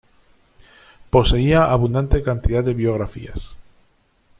Poseía abundante cantidad de biografías.